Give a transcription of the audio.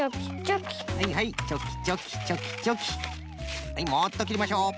はいもっときりましょう。